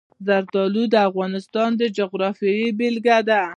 زردالو د افغانستان د جغرافیې بېلګه ده.